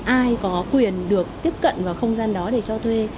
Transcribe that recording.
ai có quyền được tiếp cận vào không gian đó để cho thuê